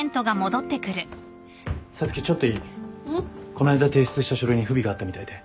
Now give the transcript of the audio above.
こないだ提出した書類に不備があったみたいで。